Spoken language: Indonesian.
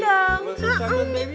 mau sesama bebe